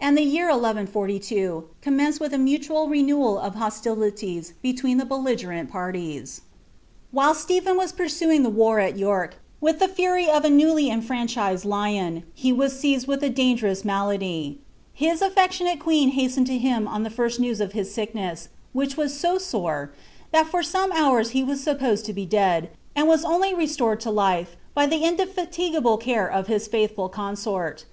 and the year 1142 commenced with a mutual renewal of hosiilii^ kelween the belligerent parties. While Stephen was pursuing tlie \nr at York, with the fiirj tt * newly enfranchised lion, he was seiied with a dangerous niulmlv H» ftfterlionate queen hastened to him on the first news of ', which was so sore, that for some hours he was suppct^ i ami was only restored lo life by the indefatigable care i ■ consort.